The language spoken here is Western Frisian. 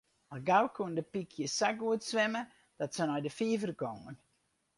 Al gau koenen de pykjes sa goed swimme dat se nei de fiver gongen.